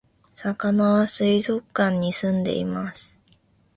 さかなは水族館に住んでいます